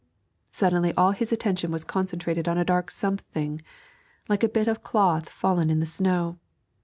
Suddenly all his attention was concentrated upon a dark something, like a bit of cloth fallen in the snow.